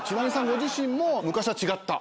ご自身も昔は違った？